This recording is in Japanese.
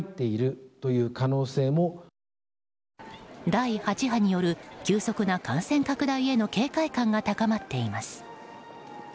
第８波による急速な感染拡大への警戒感が高まっています。